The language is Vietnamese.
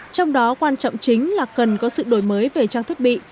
trong đó quan trọng chính là cần có sự đổi mới về trang thiết bị